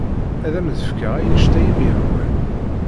Ad am-d-fkeɣ anect ay am-yehwan.